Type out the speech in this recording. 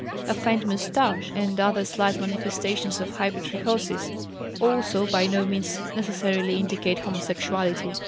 A faint moustache and other slight manifestations of hypertrichosis also by no means necessarily indicate homosexuality.